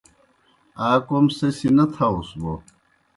آ کوْم سہ سیْ نہ تھاؤس بوْ